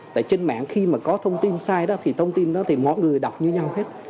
tại trên mạng khi mà có thông tin sai đó thì thông tin đó thì mọi người đọc như nhau hết